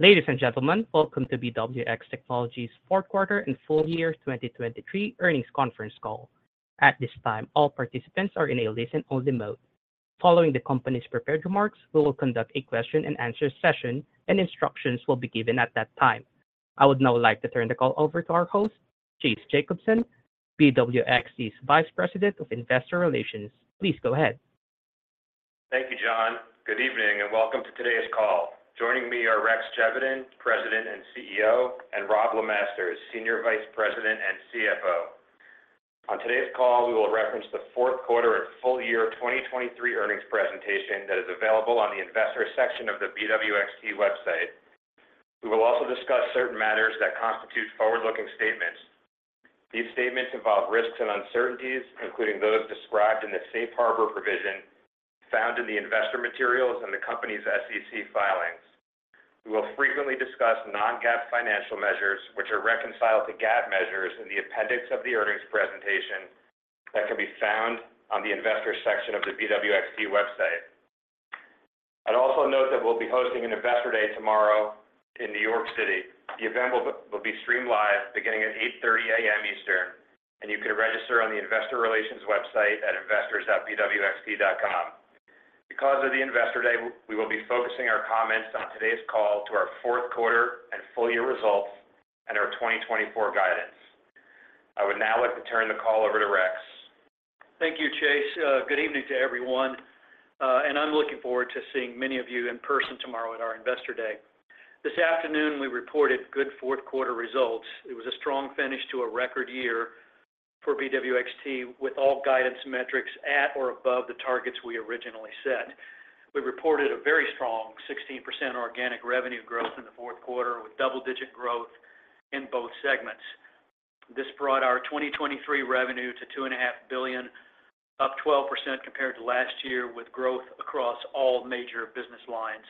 Ladies and gentlemen, welcome to BWX Technologies' fourth-quarter and full-year 2023 earnings conference call. At this time, all participants are in a listen-only mode. Following the company's prepared remarks, we will conduct a question-and-answer session, and instructions will be given at that time. I would now like to turn the call over to our host, Chase Jacobson, BWX's Vice President of Investor Relations. Please go ahead. Thank you, John. Good evening and welcome to today's call. Joining me are Rex Geveden, President and CEO, and Robb LeMasters, Senior Vice President and CFO. On today's call, we will reference the fourth-quarter and full-year 2023 earnings presentation that is available on the investor section of the BWXT website. We will also discuss certain matters that constitute forward-looking statements. These statements involve risks and uncertainties, including those described in the Safe Harbor provision found in the investor materials and the company's SEC filings. We will frequently discuss non-GAAP financial measures, which are reconciled to GAAP measures in the appendix of the earnings presentation that can be found on the investor section of the BWXT website. I'd also note that we'll be hosting an Investor Day tomorrow in New York City. The event will be streamed live beginning at 8:30 A.M. Eastern, and you can register on the investor relations website at investors.bwxt.com. Because of the Investor Day, we will be focusing our comments on today's call to our fourth-quarter and full-year results and our 2024 guidance. I would now like to turn the call over to Rex. Thank you, Chase. Good evening to everyone, and I'm looking forward to seeing many of you in person tomorrow at our Investor Day. This afternoon, we reported good fourth-quarter results. It was a strong finish to a record year for BWXT, with all guidance metrics at or above the targets we originally set. We reported a very strong 16% organic revenue growth in the fourth quarter, with double-digit growth in both segments. This brought our 2023 revenue to $2.5 billion, up 12% compared to last year, with growth across all major business lines.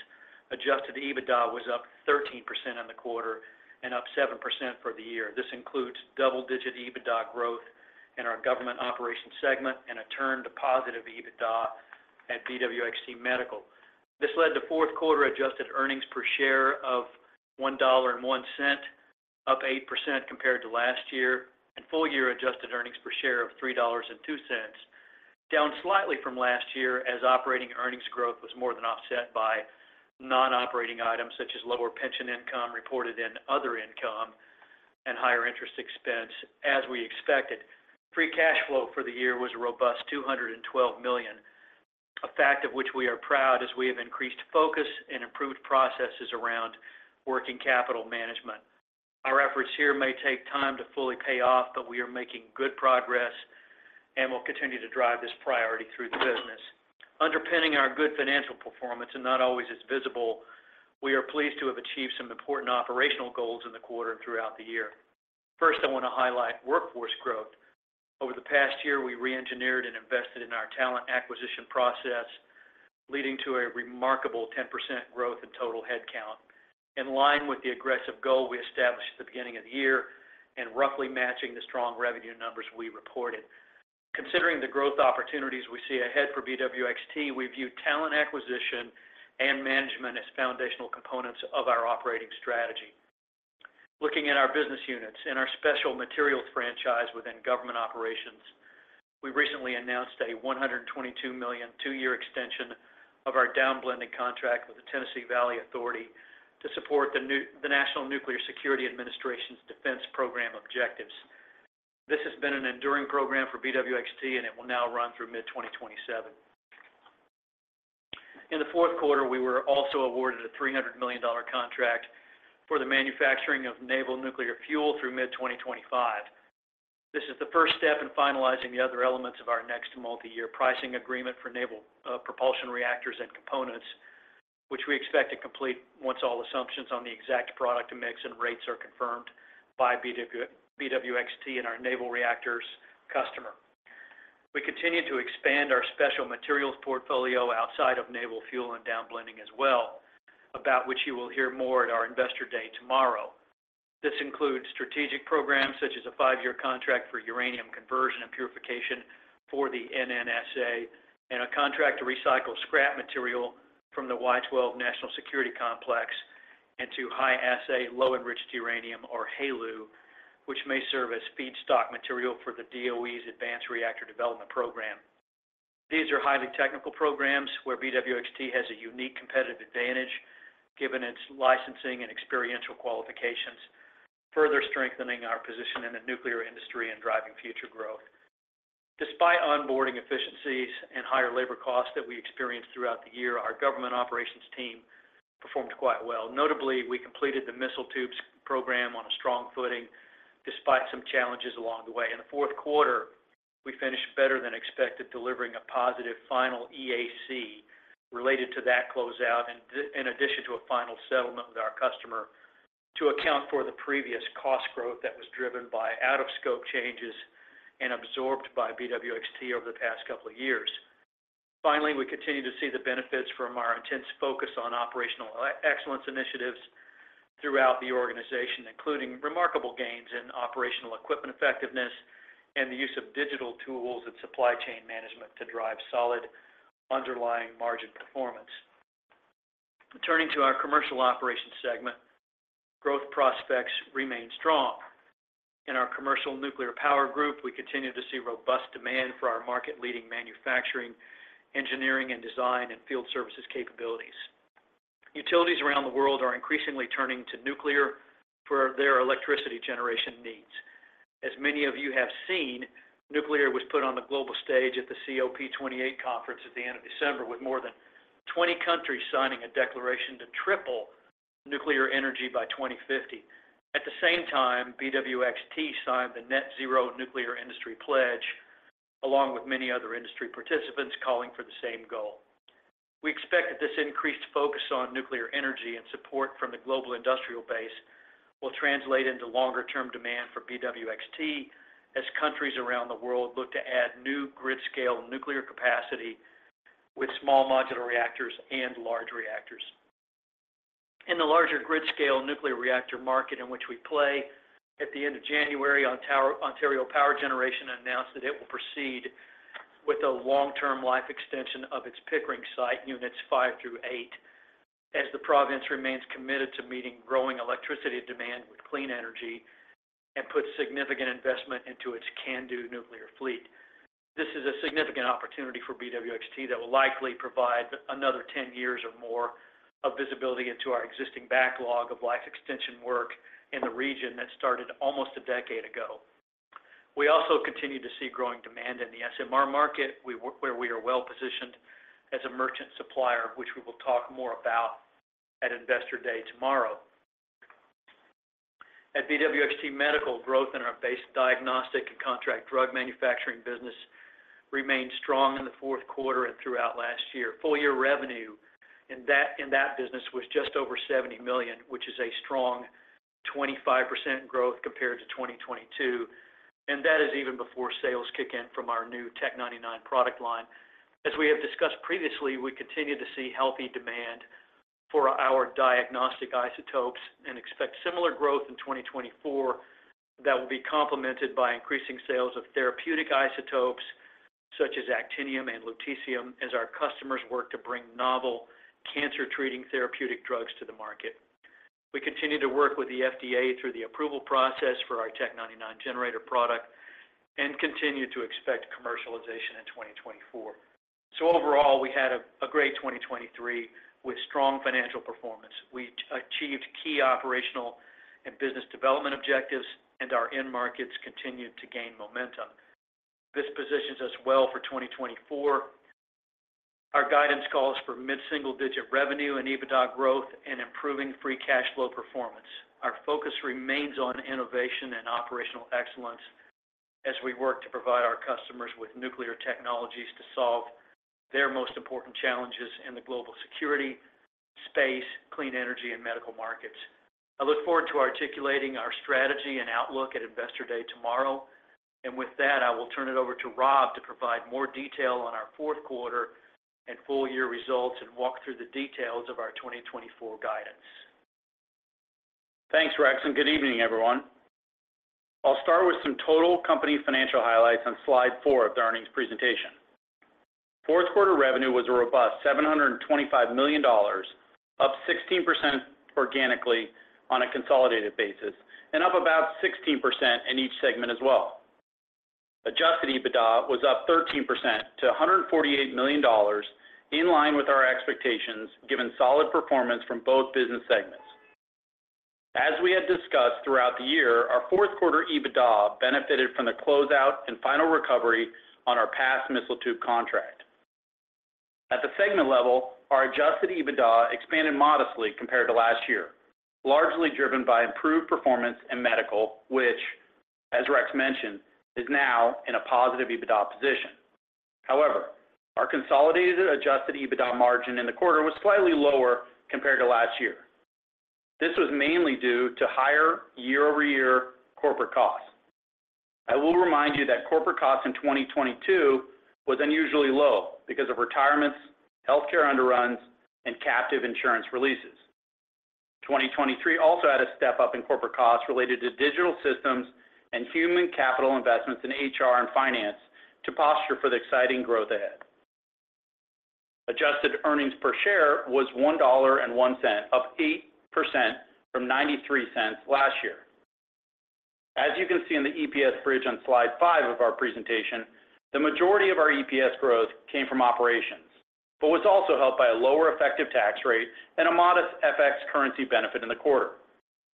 Adjusted EBITDA was up 13% in the quarter and up 7% for the year. This includes double-digit EBITDA growth in our government operations segment and a turned positive EBITDA at BWXT Medical. This led to fourth-quarter adjusted earnings per share of $1.01, up 8% compared to last year, and full-year adjusted earnings per share of $3.02, down slightly from last year as operating earnings growth was more than offset by non-operating items such as lower pension income reported in other income and higher interest expense, as we expected. Free cash flow for the year was a robust $212 million, a fact of which we are proud as we have increased focus and improved processes around working capital management. Our efforts here may take time to fully pay off, but we are making good progress and will continue to drive this priority through the business. Underpinning our good financial performance, and not always as visible, we are pleased to have achieved some important operational goals in the quarter and throughout the year. First, I want to highlight workforce growth. Over the past year, we re-engineered and invested in our talent acquisition process, leading to a remarkable 10% growth in total headcount, in line with the aggressive goal we established at the beginning of the year and roughly matching the strong revenue numbers we reported. Considering the growth opportunities we see ahead for BWXT, we view talent acquisition and management as foundational components of our operating strategy. Looking at our business units and our special materials franchise within government operations, we recently announced a $122 million two-year extension of our down-blending contract with the Tennessee Valley Authority to support the National Nuclear Security Administration's defense program objectives. This has been an enduring program for BWXT, and it will now run through mid-2027. In the fourth quarter, we were also awarded a $300 million contract for the manufacturing of naval nuclear fuel through mid-2025. This is the first step in finalizing the other elements of our next multi-year pricing agreement for naval propulsion reactors and components, which we expect to complete once all assumptions on the exact product mix and rates are confirmed by BWXT and our Naval Reactors customer. We continue to expand our special materials portfolio outside of naval fuel and down-blending as well, about which you will hear more at our investor day tomorrow. This includes strategic programs such as a five-year contract for uranium conversion and purification for the NNSA and a contract to recycle scrap material from the Y-12 National Security Complex into high-assay low-enriched uranium, or HALEU, which may serve as feedstock material for the DOE's Advanced Reactor Development Program. These are highly technical programs where BWXT has a unique competitive advantage given its licensing and experiential qualifications, further strengthening our position in the nuclear industry and driving future growth. Despite onboarding inefficiencies and higher labor costs that we experienced throughout the year, our government operations team performed quite well. Notably, we completed the missile tubes program on a strong footing despite some challenges along the way. In the fourth quarter, we finished better than expected, delivering a positive final EAC related to that closeout in addition to a final settlement with our customer to account for the previous cost growth that was driven by out-of-scope changes and absorbed by BWXT over the past couple of years. Finally, we continue to see the benefits from our intense focus on operational excellence initiatives throughout the organization, including remarkable gains in operational equipment effectiveness and the use of digital tools and supply chain management to drive solid underlying margin performance. Turning to our commercial operations segment, growth prospects remain strong. In our commercial nuclear power group, we continue to see robust demand for our market-leading manufacturing, engineering, and design and field services capabilities. Utilities around the world are increasingly turning to nuclear for their electricity generation needs. As many of you have seen, nuclear was put on the global stage at the COP28 conference at the end of December, with more than 20 countries signing a declaration to triple nuclear energy by 2050. At the same time, BWXT signed the Net Zero Nuclear Industry Pledge, along with many other industry participants calling for the same goal. We expect that this increased focus on nuclear energy and support from the global industrial base will translate into longer-term demand for BWXT as countries around the world look to add new grid-scale nuclear capacity with small modular reactors and large reactors. In the larger grid-scale nuclear reactor market in which we play, at the end of January, Ontario Power Generation announced that it will proceed with a long-term life extension of its Pickering site units 5 through 8 as the province remains committed to meeting growing electricity demand with clean energy and puts significant investment into its CANDU nuclear fleet. This is a significant opportunity for BWXT that will likely provide another 10 years or more of visibility into our existing backlog of life extension work in the region that started almost a decade ago. We also continue to see growing demand in the SMR market, where we are well-positioned as a merchant supplier, which we will talk more about at investor day tomorrow. At BWXT Medical, growth in our base diagnostic and contract drug manufacturing business remained strong in the fourth quarter and throughout last year. Full-year revenue in that business was just over $70 million, which is a strong 25% growth compared to 2022, and that is even before sales kick in from our new Tc-99m product line. As we have discussed previously, we continue to see healthy demand for our diagnostic isotopes and expect similar growth in 2024 that will be complemented by increasing sales of therapeutic isotopes such as actinium and lutetium as our customers work to bring novel cancer-treating therapeutic drugs to the market. We continue to work with the FDA through the approval process for our Tc-99m generator product and continue to expect commercialization in 2024. So overall, we had a great 2023 with strong financial performance. We achieved key operational and business development objectives, and our end markets continued to gain momentum. This positions us well for 2024. Our guidance calls for mid-single-digit revenue and EBITDA growth and improving free cash flow performance. Our focus remains on innovation and operational excellence as we work to provide our customers with nuclear technologies to solve their most important challenges in the global security, space, clean energy, and medical markets. I look forward to articulating our strategy and outlook at investor day tomorrow. With that, I will turn it over to Robb to provide more detail on our fourth quarter and full-year results and walk through the details of our 2024 guidance. Thanks, Rex. Good evening, everyone. I'll start with some total company financial highlights on slide four of the earnings presentation. Fourth-quarter revenue was a robust $725 million, up 16% organically on a consolidated basis and up about 16% in each segment as well. Adjusted EBITDA was up 13% to $148 million, in line with our expectations given solid performance from both business segments. As we had discussed throughout the year, our fourth-quarter EBITDA benefited from the closeout and final recovery on our past missile tube contract. At the segment level, our adjusted EBITDA expanded modestly compared to last year, largely driven by improved performance in medical, which, as Rex mentioned, is now in a positive EBITDA position. However, our consolidated adjusted EBITDA margin in the quarter was slightly lower compared to last year. This was mainly due to higher year-over-year corporate costs. I will remind you that corporate costs in 2022 were unusually low because of retirements, healthcare underruns, and captive insurance releases. 2023 also had a step up in corporate costs related to digital systems and human capital investments in HR and finance to posture for the exciting growth ahead. Adjusted earnings per share was $1.01, up 8% from $0.93 last year. As you can see in the EPS bridge on slide 5 of our presentation, the majority of our EPS growth came from operations but was also helped by a lower effective tax rate and a modest FX currency benefit in the quarter,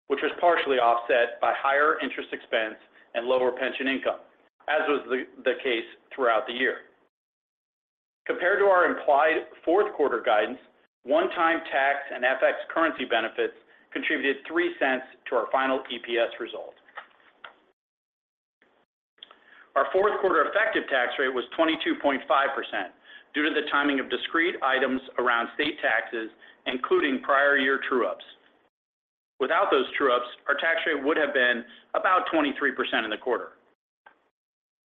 which was partially offset by higher interest expense and lower pension income, as was the case throughout the year. Compared to our implied fourth-quarter guidance, one-time tax and FX currency benefits contributed $0.03 to our final EPS result. Our fourth-quarter effective tax rate was 22.5% due to the timing of discrete items around state taxes, including prior year true-ups. Without those true-ups, our tax rate would have been about 23% in the quarter.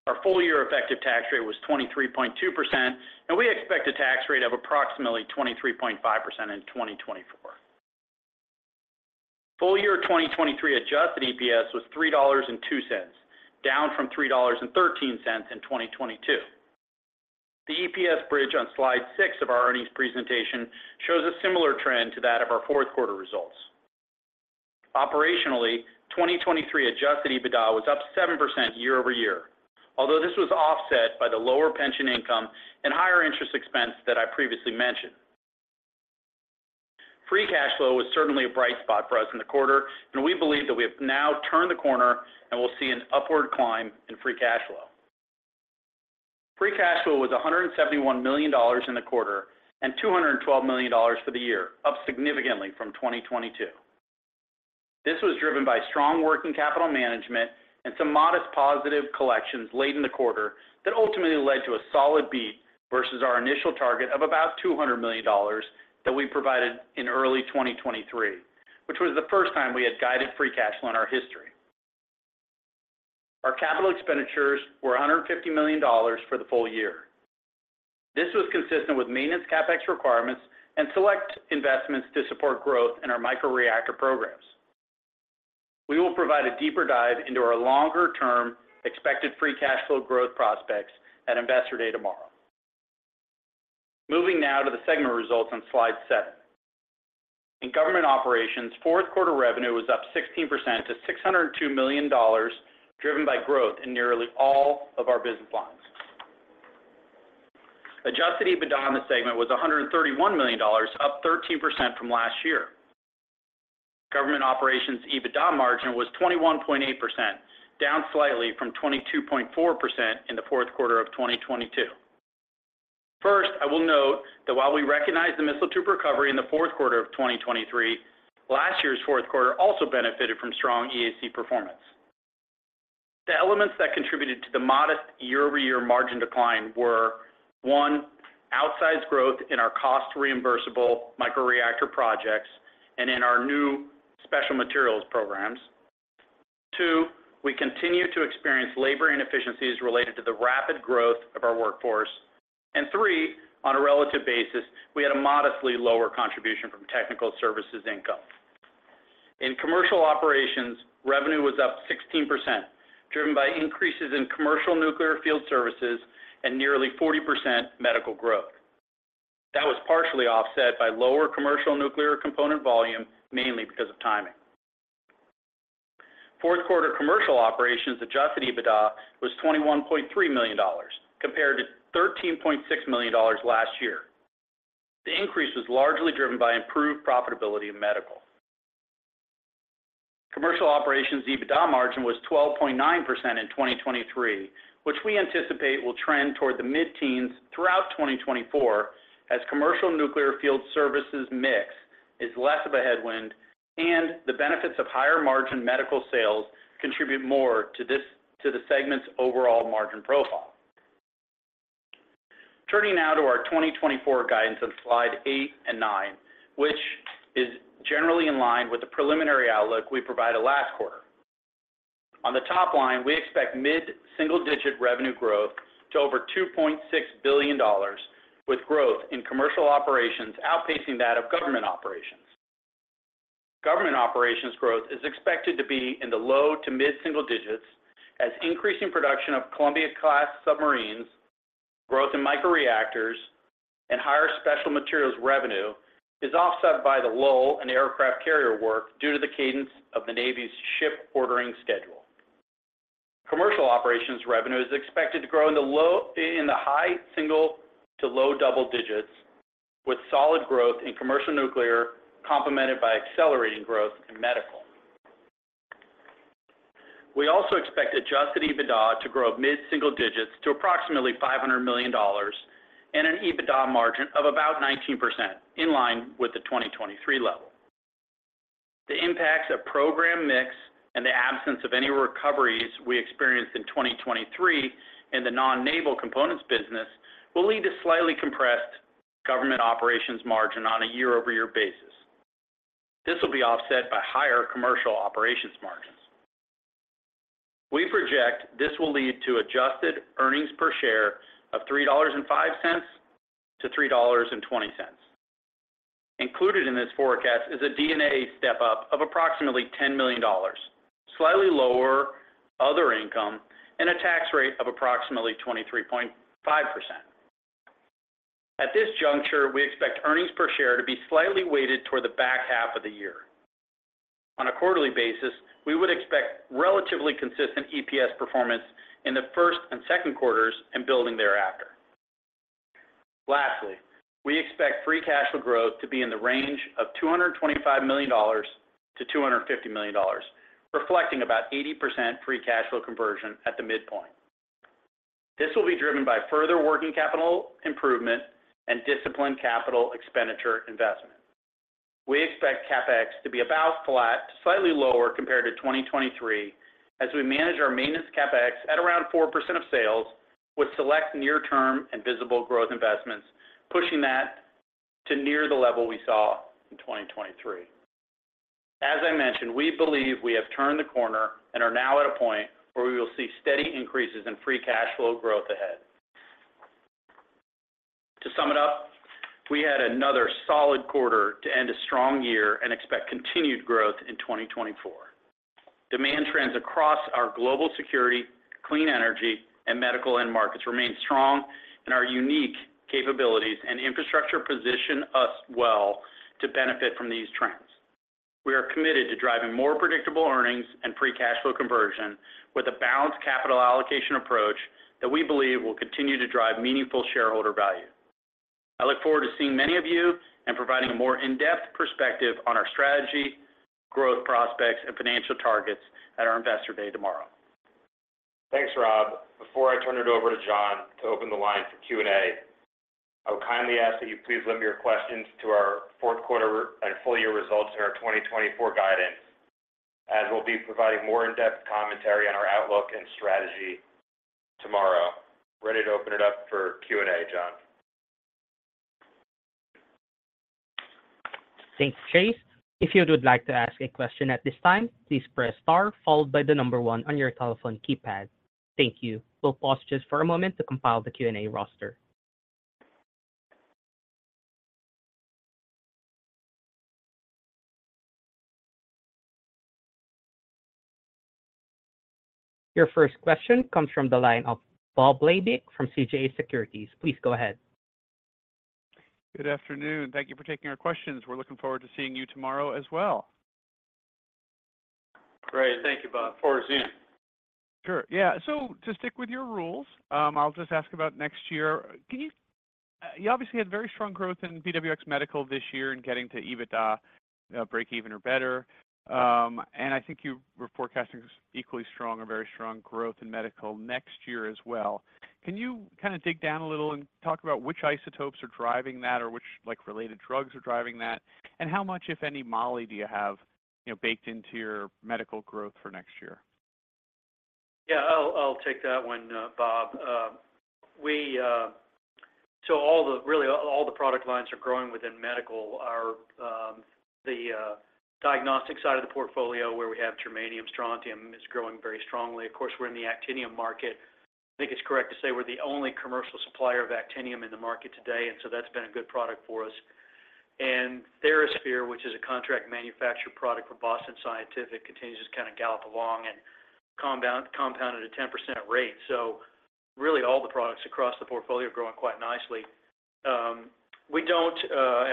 Our full-year effective tax rate was 23.2%, and we expect a tax rate of approximately 23.5% in 2024. Full-year 2023 adjusted EPS was $3.02, down from $3.13 in 2022. The EPS bridge on slide six of our earnings presentation shows a similar trend to that of our fourth-quarter results. Operationally, 2023 adjusted EBITDA was up 7% year-over-year, although this was offset by the lower pension income and higher interest expense that I previously mentioned. Free cash flow was certainly a bright spot for us in the quarter, and we believe that we have now turned the corner and will see an upward climb in free cash flow. Free cash flow was $171 million in the quarter and $212 million for the year, up significantly from 2022. This was driven by strong working capital management and some modest positive collections late in the quarter that ultimately led to a solid beat versus our initial target of about $200 million that we provided in early 2023, which was the first time we had guided free cash flow in our history. Our capital expenditures were $150 million for the full year. This was consistent with maintenance CapEx requirements and select investments to support growth in our microreactor programs. We will provide a deeper dive into our longer-term expected free cash flow growth prospects at Investor Day tomorrow. Moving now to the segment results on slide seven. In government operations, fourth-quarter revenue was up 16% to $602 million, driven by growth in nearly all of our business lines. Adjusted EBITDA on the segment was $131 million, up 13% from last year. Government operations EBITDA margin was 21.8%, down slightly from 22.4% in the fourth quarter of 2022. First, I will note that while we recognize the missile tube recovery in the fourth quarter of 2023, last year's fourth quarter also benefited from strong EAC performance. The elements that contributed to the modest year-over-year margin decline were, one, outsized growth in our cost-reimbursable microreactor projects and in our new special materials programs. Two, we continue to experience labor inefficiencies related to the rapid growth of our workforce. And three, on a relative basis, we had a modestly lower contribution from technical services income. In commercial operations, revenue was up 16%, driven by increases in commercial nuclear field services and nearly 40% medical growth. That was partially offset by lower commercial nuclear component volume, mainly because of timing. Fourth-quarter commercial operations adjusted EBITDA was $21.3 million compared to $13.6 million last year. The increase was largely driven by improved profitability in medical. Commercial operations EBITDA margin was 12.9% in 2023, which we anticipate will trend toward the mid-teens throughout 2024 as commercial nuclear field services mix is less of a headwind and the benefits of higher margin medical sales contribute more to the segment's overall margin profile. Turning now to our 2024 guidance on slides 8 and 9, which is generally in line with the preliminary outlook we provided last quarter. On the top line, we expect mid-single-digit revenue growth to over $2.6 billion, with growth in commercial operations outpacing that of government operations. Government operations growth is expected to be in the low- to mid-single digits as increasing production of Columbia-class submarines, growth in microreactors, and higher special materials revenue is offset by the lull in aircraft carrier work due to the cadence of the Navy's ship ordering schedule. Commercial operations revenue is expected to grow in the high single- to low double digits, with solid growth in commercial nuclear complemented by accelerating growth in medical. We also expect adjusted EBITDA to grow mid-single digits to approximately $500 million and an EBITDA margin of about 19%, in line with the 2023 level. The impacts of program mix and the absence of any recoveries we experienced in 2023 in the non-naval components business will lead to slightly compressed government operations margin on a year-over-year basis. This will be offset by higher commercial operations margins. We project this will lead to adjusted earnings per share of $3.05-$3.20. Included in this forecast is a D&A step up of approximately $10 million, slightly lower other income, and a tax rate of approximately 23.5%. At this juncture, we expect earnings per share to be slightly weighted toward the back half of the year. On a quarterly basis, we would expect relatively consistent EPS performance in the first and second quarters and building thereafter. Lastly, we expect free cash flow growth to be in the range of $225 million-$250 million, reflecting about 80% free cash flow conversion at the midpoint. This will be driven by further working capital improvement and disciplined capital expenditure investment. We expect CapEx to be about flat to slightly lower compared to 2023 as we manage our maintenance CapEx at around 4% of sales with select near-term and visible growth investments, pushing that to near the level we saw in 2023. As I mentioned, we believe we have turned the corner and are now at a point where we will see steady increases in free cash flow growth ahead. To sum it up, we had another solid quarter to end a strong year and expect continued growth in 2024. Demand trends across our global security, clean energy, and medical end markets remain strong, and our unique capabilities and infrastructure position us well to benefit from these trends. We are committed to driving more predictable earnings and free cash flow conversion with a balanced capital allocation approach that we believe will continue to drive meaningful shareholder value. I look forward to seeing many of you and providing a more in-depth perspective on our strategy, growth prospects, and financial targets at our investor day tomorrow. Thanks, Robb. Before I turn it over to John to open the line for Q&A, I would kindly ask that you please limit your questions to our fourth-quarter and full-year results in our 2024 guidance, as we'll be providing more in-depth commentary on our outlook and strategy tomorrow. Ready to open it up for Q&A, John. Thanks, Chase. If you would like to ask a question at this time, please press star followed by the number one on your telephone keypad. Thank you. We'll pause just for a moment to compile the Q&A roster. Your first question comes from the line of Bob Labick from CJS Securities. Please go ahead. Good afternoon. Thank you for taking our questions. We're looking forward to seeing you tomorrow as well. Great. Thank you, Bob. Looking forward to seeing you. Sure. Yeah. So to stick with your rules, I'll just ask about next year. You obviously had very strong growth in BWXT Medical this year in getting to EBITDA break-even or better. And I think you were forecasting equally strong or very strong growth in medical next year as well. Can you kind of dig down a little and talk about which isotopes are driving that or which related drugs are driving that, and how much, if any, moly do you have baked into your medical growth for next year? Yeah. I'll take that one, Bob. So really, all the product lines are growing within medical. The diagnostic side of the portfolio, where we have germanium, strontium, is growing very strongly. Of course, we're in the actinium market. I think it's correct to say we're the only commercial supplier of actinium in the market today, and so that's been a good product for us. And TheraSphere, which is a contract manufactured product for Boston Scientific, continues to kind of gallop along and compound at a 10% rate. So really, all the products across the portfolio are growing quite nicely.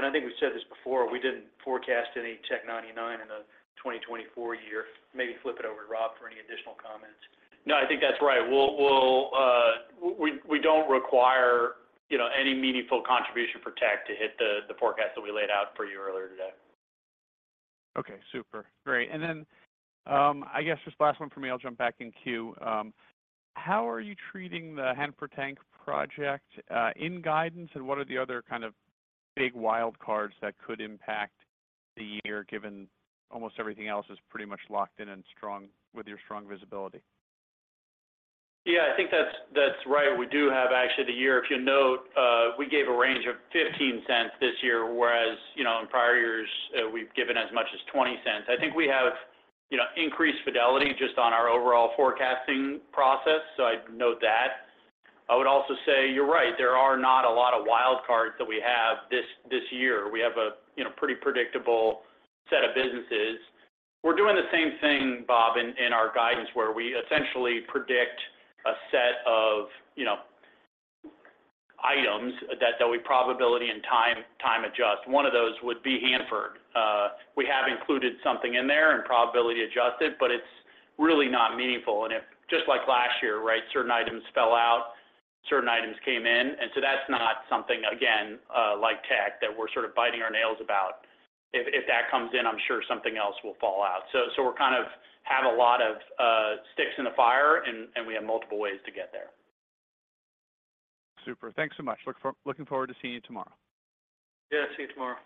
And I think we've said this before. We didn't forecast any Tc-99m in the 2024 year. Maybe flip it over to Robb for any additional comments. No, I think that's right. We don't require any meaningful contribution for tech to hit the forecast that we laid out for you earlier today. Okay. Super. Great. Then I guess just last one from me. I'll jump back in queue. How are you treating the Hanford tank project in guidance, and what are the other kind of big wild cards that could impact the year given almost everything else is pretty much locked in with your strong visibility? Yeah. I think that's right. We do have actually the year, if you'll note, we gave a range of $0.15 this year, whereas in prior years, we've given as much as $0.20. I think we have increased fidelity just on our overall forecasting process, so I'd note that. I would also say you're right. There are not a lot of wild cards that we have this year. We have a pretty predictable set of businesses. We're doing the same thing, Bob, in our guidance where we essentially predict a set of items that we probability and time adjust. One of those would be Hanford. We have included something in there and probability adjusted, but it's really not meaningful. And just like last year, certain items fell out, certain items came in. And so that's not something, again, like tech that we're sort of biting our nails about. If that comes in, I'm sure something else will fall out. So we kind of have a lot of sticks in the fire, and we have multiple ways to get there. Super. Thanks so much. Looking forward to seeing you tomorrow. Yeah. See you tomorrow.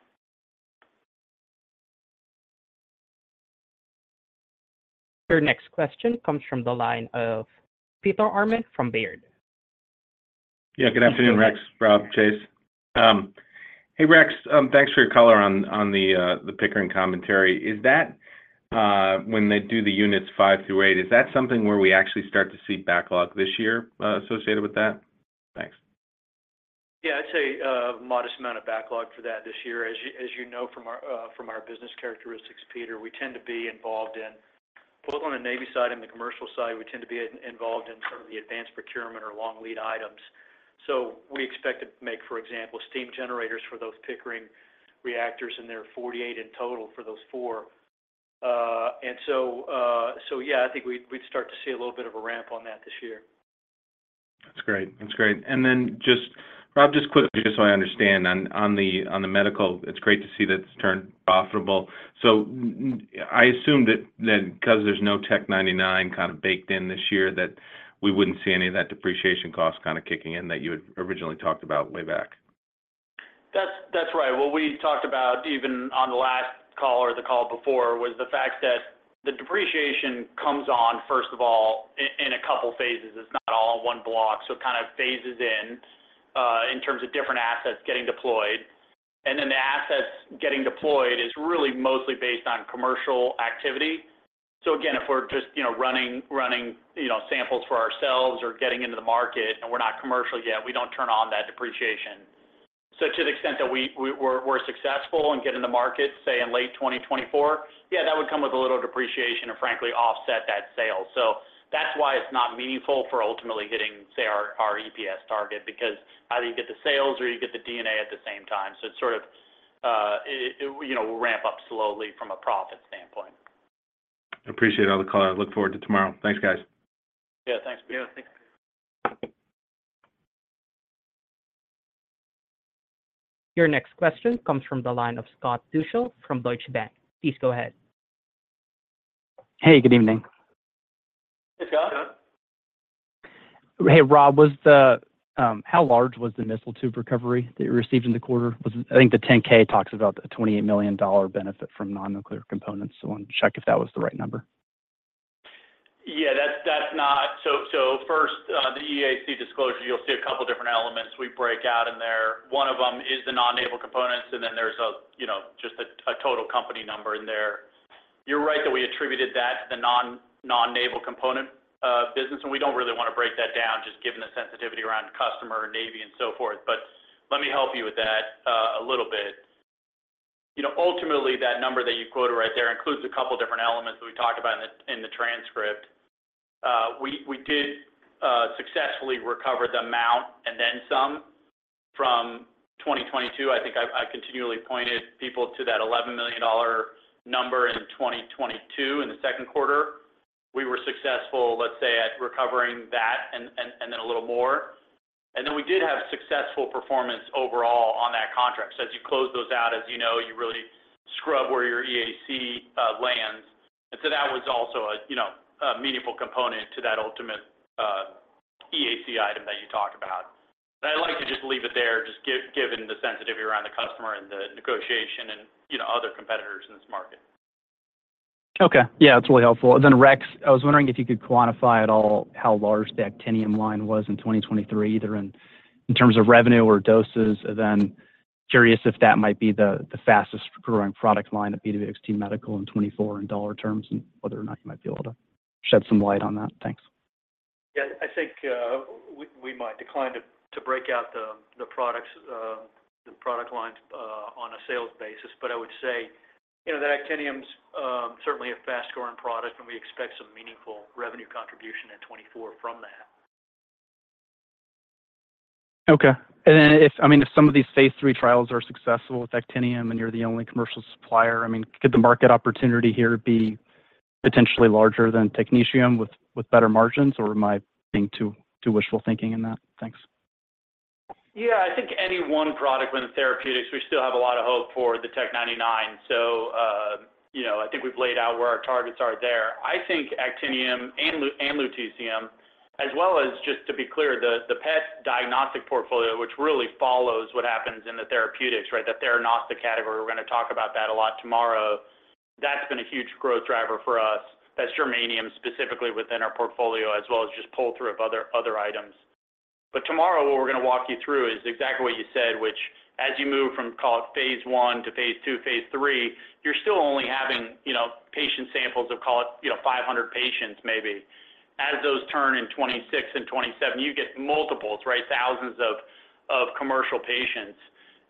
Your next question comes from the line of Peter Arment from Baird. Yeah. Good afternoon, Rex, Robb, Chase. Hey, Rex, thanks for your color on the Pickering commentary. When they do the units 5 through 8, is that something where we actually start to see backlog this year associated with that? Thanks. Yeah. I'd say a modest amount of backlog for that this year. As you know from our business characteristics, Peter, we tend to be involved in both on the Navy side and the commercial side; we tend to be involved in sort of the advanced procurement or long lead items. So we expect to make, for example, steam generators for those Pickering reactors, and there are 48 in total for those four. And so yeah, I think we'd start to see a little bit of a ramp on that this year. That's great. That's great. And then just, Robb, just quickly, just so I understand, on the medical, it's great to see that it's turned profitable. So I assume that because there's no Tc-99m kind of baked in this year, that we wouldn't see any of that depreciation cost kind of kicking in that you had originally talked about way back. That's right. What we talked about even on the last call or the call before was the fact that the depreciation comes on, first of all, in a couple of phases. It's not all in one block. So it kind of phases in in terms of different assets getting deployed. Then the assets getting deployed is really mostly based on commercial activity. So again, if we're just running samples for ourselves or getting into the market and we're not commercial yet, we don't turn on that depreciation. So to the extent that we're successful in getting in the market, say, in late 2024, yeah, that would come with a little depreciation and frankly offset that sale. So that's why it's not meaningful for ultimately hitting, say, our EPS target because either you get the sales or you get the D&A at the same time. It sort of will ramp up slowly from a profit standpoint. Appreciate all the call. I look forward to tomorrow. Thanks, guys. Yeah. Thanks, Peter. Yeah. Thanks, Peter. Your next question comes from the line of Scott Deuschle from Deutsche Bank. Please go ahead. Hey. Good evening. Hey, Scott. Good. Hey, Robb. How large was the missile tube recovery that you received in the quarter? I think the 10K talks about a $28 million benefit from non-nuclear components. So I want to check if that was the right number. Yeah. So first, the EAC disclosure, you'll see a couple of different elements. We break out in there. One of them is the non-naval components, and then there's just a total company number in there. You're right that we attributed that to the non-naval component business, and we don't really want to break that down just given the sensitivity around customer and Navy and so forth. But let me help you with that a little bit. Ultimately, that number that you quoted right there includes a couple of different elements that we talked about in the transcript. We did successfully recover the amount and then some from 2022. I think I continually pointed people to that $11 million number in 2022 in the second quarter. We were successful, let's say, at recovering that and then a little more. And then we did have successful performance overall on that contract. So as you close those out, as you know, you really scrub where your EAC lands. And so that was also a meaningful component to that ultimate EAC item that you talked about. And I'd like to just leave it there just given the sensitivity around the customer and the negotiation and other competitors in this market. Okay. Yeah. That's really helpful. And then, Rex, I was wondering if you could quantify at all how large the actinium line was in 2023, either in terms of revenue or doses. And then curious if that might be the fastest-growing product line at BWXT Medical in 2024 in dollar terms and whether or not you might be able to shed some light on that. Thanks. Yeah. I think we might decline to break out the product lines on a sales basis. But I would say that actinium's certainly a fast-growing product, and we expect some meaningful revenue contribution in 2024 from that. Okay. And then, I mean, if some of these phase three trials are successful with actinium and you're the only commercial supplier, I mean, could the market opportunity here be potentially larger than technetium with better margins, or am I being too wishful thinking in that? Thanks. Yeah. I think any one product within therapeutics, we still have a lot of hope for the Tc-99m. So I think we've laid out where our targets are there. I think actinium and lutetium, as well as just to be clear, the PET diagnostic portfolio, which really follows what happens in the therapeutics, right, that theranostics category, we're going to talk about that a lot tomorrow. That's been a huge growth driver for us. That's germanium specifically within our portfolio, as well as just pull-through of other items. But tomorrow, what we're going to walk you through is exactly what you said, which as you move from, call it, phase one to phase two, phase three, you're still only having patient samples of, call it, 500 patients, maybe. As those turn in 2026 and 2027, you get multiples, right, thousands of commercial patients.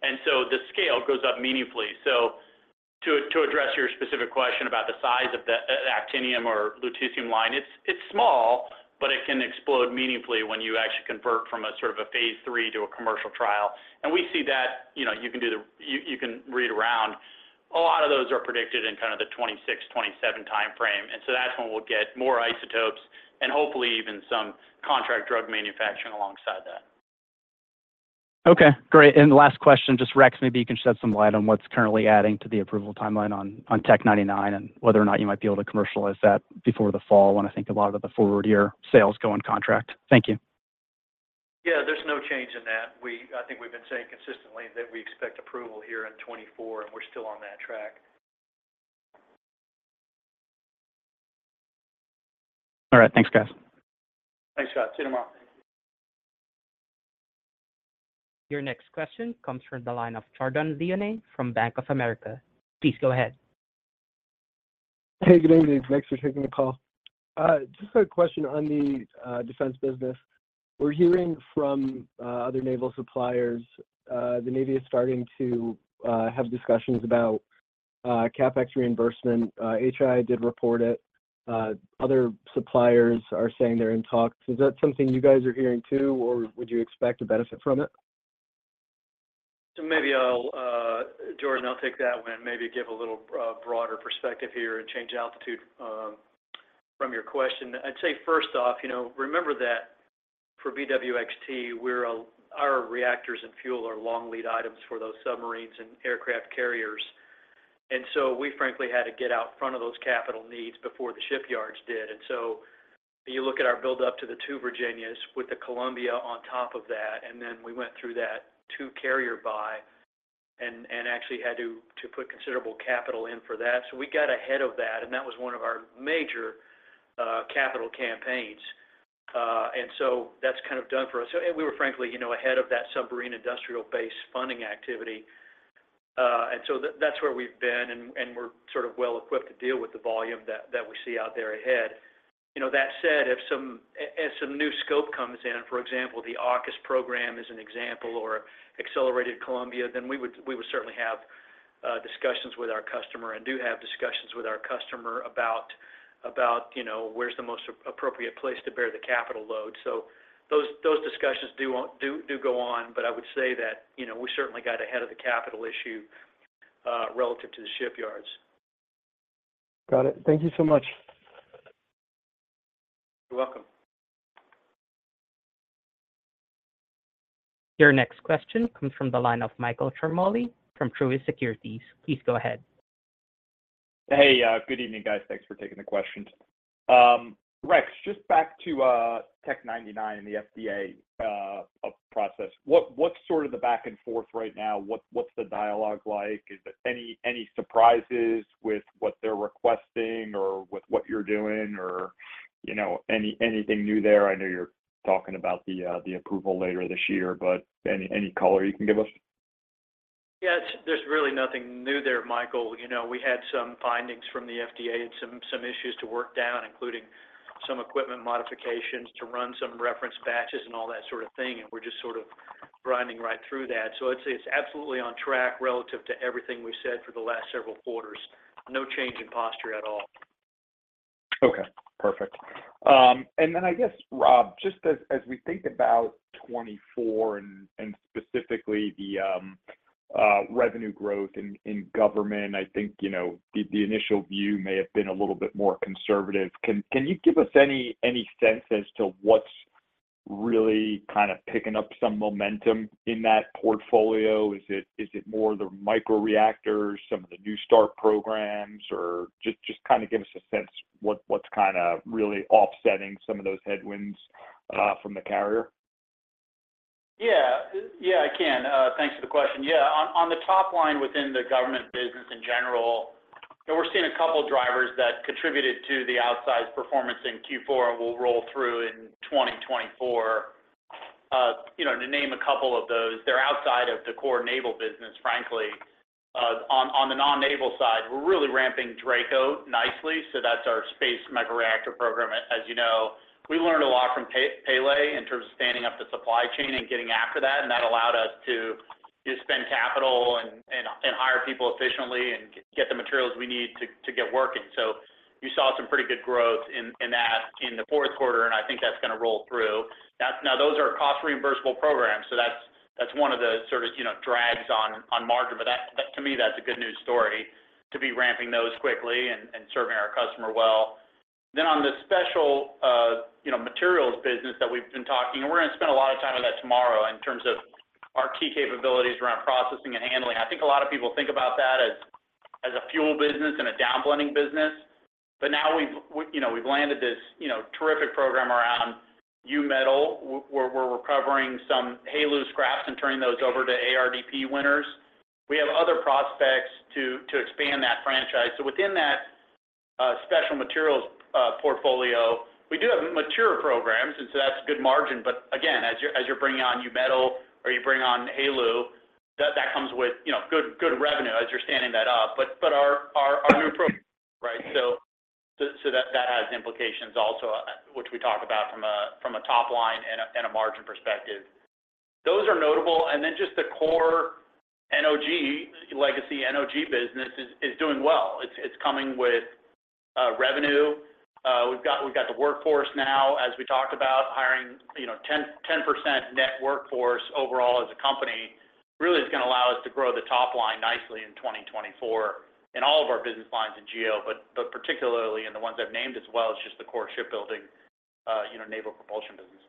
The scale goes up meaningfully. To address your specific question about the size of the actinium or lutetium line, it's small, but it can explode meaningfully when you actually convert from sort of a phase 3 to a commercial trial. We see that you can read around. A lot of those are predicted in kind of the 2026, 2027 timeframe. That's when we'll get more isotopes and hopefully even some contract drug manufacturing alongside that. Okay. Great. And last question, just Rex, maybe you can shed some light on what's currently adding to the approval timeline on Tc-99m and whether or not you might be able to commercialize that before the fall when I think a lot of the forward-year sales go in contract? Thank you. Yeah. There's no change in that. I think we've been saying consistently that we expect approval here in 2024, and we're still on that track. All right. Thanks, guys. Thanks, Scott. See you tomorrow. Your next question comes from the line of Chad Dillard from Bank of America. Please go ahead. Hey. Good evening. Thanks for taking the call. Just a question on the defense business. We're hearing from other naval suppliers. The Navy is starting to have discussions about CapEx reimbursement. HII did report it. Other suppliers are saying they're in talks. Is that something you guys are hearing too, or would you expect a benefit from it? So maybe Jordan, I'll take that one and maybe give a little broader perspective here and change altitude from your question. I'd say first off, remember that for BWXT, our reactors and fuel are long lead items for those submarines and aircraft carriers. And so we, frankly, had to get out front of those capital needs before the shipyards did. And so you look at our buildup to the two Virginias with the Columbia on top of that, and then we went through that two-carrier buy and actually had to put considerable capital in for that. So we got ahead of that, and that was one of our major capital campaigns. And so that's kind of done for us. And we were, frankly, ahead of submarine industrial based funding activity. That's where we've been, and we're sort of well-equipped to deal with the volume that we see out there ahead. That said, if some new scope comes in, for example, the AUKUS program is an example or Accelerated Columbia, then we would certainly have discussions with our customer and do have discussions with our customer about where's the most appropriate place to bear the capital load. Those discussions do go on, but I would say that we certainly got ahead of the capital issue relative to the shipyards. Got it. Thank you so much. You're welcome. Your next question comes from the line of Michael Ciarmoli from Truist Securities. Please go ahead. Hey. Good evening, guys. Thanks for taking the question. Rex, just back to Tc-99m and the FDA process. What's sort of the back and forth right now? What's the dialogue like? Is there any surprises with what they're requesting or with what you're doing or anything new there? I know you're talking about the approval later this year, but any color you can give us? Yeah. There's really nothing new there, Michael. We had some findings from the FDA and some issues to work down, including some equipment modifications to run some reference batches and all that sort of thing. And we're just sort of grinding right through that. So I'd say it's absolutely on track relative to everything we've said for the last several quarters. No change in posture at all. Okay. Perfect. And then I guess, Rob, just as we think about 2024 and specifically the revenue growth in government, I think the initial view may have been a little bit more conservative. Can you give us any sense as to what's really kind of picking up some momentum in that portfolio? Is it more the microreactors, some of the new start programs, or just kind of give us a sense what's kind of really offsetting some of those headwinds from the carrier? Yeah. Yeah. I can. Thanks for the question. Yeah. On the top line within the government business in general, we're seeing a couple of drivers that contributed to the outsized performance in Q4 and will roll through in 2024. To name a couple of those, they're outside of the core naval business, frankly. On the non-naval side, we're really ramping DRACO nicely. So that's our space microreactor program, as you know. We learned a lot from Pele in terms of standing up the supply chain and getting after that. And that allowed us to spend capital and hire people efficiently and get the materials we need to get working. So you saw some pretty good growth in that in the fourth quarter, and I think that's going to roll through. Now, those are cost-reimbursable programs. So that's one of the sort of drags on margin. But to me, that's a good news story to be ramping those quickly and serving our customer well. Then on the special materials business that we've been talking, and we're going to spend a lot of time on that tomorrow in terms of our key capabilities around processing and handling, I think a lot of people think about that as a fuel business and a downblending business. But now we've landed this terrific program around U-metal. We're recovering some HALEU scraps and turning those over to ARDP winners. We have other prospects to expand that franchise. So within that special materials portfolio, we do have mature programs, and so that's good margin. But again, as you're bringing on U-metal or you bring on HALEU, that comes with good revenue as you're standing that up. But our new. Right? So that has implications also, which we talk about from a top line and a margin perspective. Those are notable. And then just the core legacy NOG business is doing well. It's coming with revenue. We've got the workforce now, as we talked about, hiring 10% net workforce overall as a company really is going to allow us to grow the top line nicely in 2024 in all of our business lines in G.O., but particularly in the ones I've named as well as just the core shipbuilding naval propulsion business.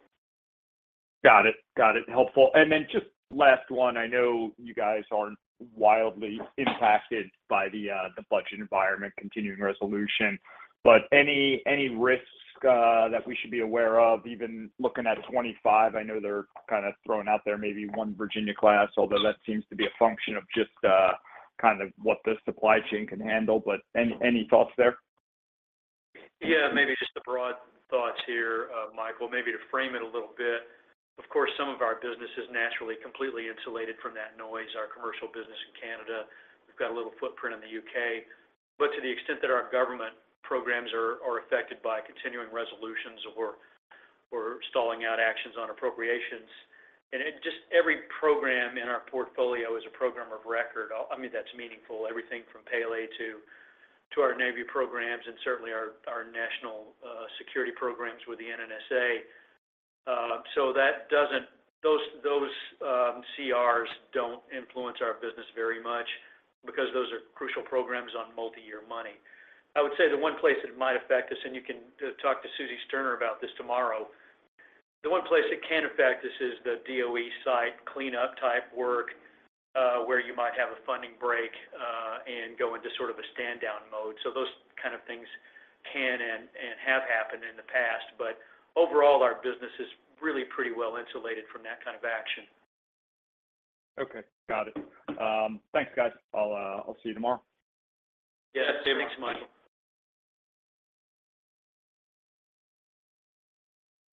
Got it. Got it. Helpful. And then just last one. I know you guys are wildly impacted by the budget environment, continuing resolution. But any risks that we should be aware of, even looking at 2025? I know they're kind of throwing out there maybe one Virginia-class, although that seems to be a function of just kind of what the supply chain can handle. But any thoughts there? Yeah. Maybe just the broad thoughts here, Michael. Maybe to frame it a little bit, of course, some of our business is naturally completely insulated from that noise, our commercial business in Canada. We've got a little footprint in the U.K. But to the extent that our government programs are affected by continuing resolutions or stalling out actions on appropriations, and just every program in our portfolio is a program of record. I mean, that's meaningful, everything from Pele to our Navy programs and certainly our national security programs with the NNSA. So those CRs don't influence our business very much because those are crucial programs on multi-year money. I would say the one place that it might affect us, and you can talk to Suzanne Sterner about this tomorrow, the one place it can affect us is the DOE site cleanup type work where you might have a funding break and go into sort of a stand-down mode. So those kind of things can and have happened in the past. But overall, our business is really pretty well insulated from that kind of action. Okay. Got it. Thanks, guys. I'll see you tomorrow. Yes. Thanks, Michael.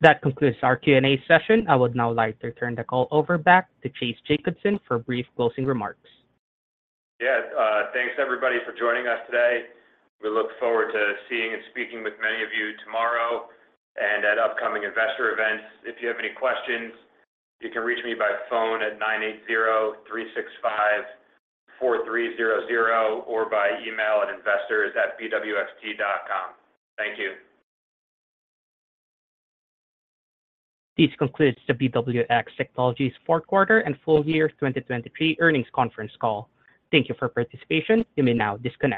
That concludes our Q&A session. I would now like to turn the call over back to Chase Jacobson for brief closing remarks. Yeah. Thanks, everybody, for joining us today. We look forward to seeing and speaking with many of you tomorrow and at upcoming investor events. If you have any questions, you can reach me by phone at 980-365-4300 or by email at investors@BWXT.com. Thank you. This concludes the BWX Technologies fourth quarter and full year 2023 earnings conference call. Thank you for participation. You may now disconnect.